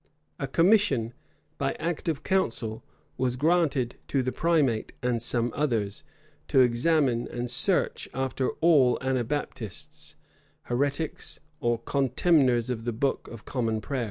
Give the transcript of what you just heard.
A commission, by act of council, was granted to the primate and some others, to examine and search after all Anabaptists, heretics, or contemners of the Book of Common Prayer.